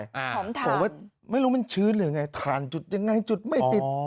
อ๋อหอมถ่านบอกว่าไม่รู้มันชื้นหรือยังไงถ่านจุดยังไงจุดไม่ติด